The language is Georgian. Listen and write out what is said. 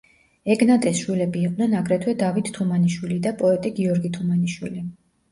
ეგნატეს შვილები იყვნენ აგრეთვე დავით თუმანიშვილი და პოეტი გიორგი თუმანიშვილი.